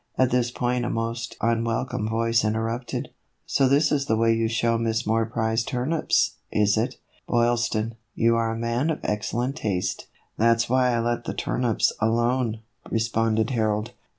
At this point a most unwelcome voice inter rupted. " So this is the way you show Miss Moore prize turnips, is it ? Boylston, you are a man of excellent taste." " That 's why I let the turnips alone," responded Harold.